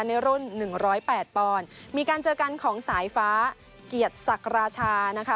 ในรุ่น๑๐๘ปอนด์มีการเจอกันของสายฟ้าเกียรติศักราชานะคะ